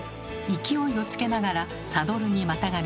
勢いをつけながらサドルにまたがります。